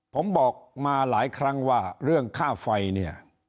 ผมบอกมาหลายครั้งว่าเรื่องค่าไฟเนี่ย